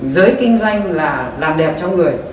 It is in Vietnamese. giới kinh doanh là làm đẹp cho người